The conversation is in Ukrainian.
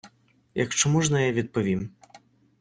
Якщо можна я відповім.